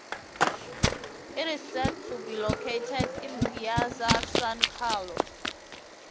It is set to be located in Piazza San Carlo.